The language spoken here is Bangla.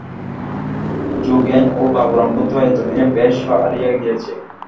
যোগেন ও বাবুরাম বোধ হয় এত দিনে বেশ সারিয়া গিয়াছে।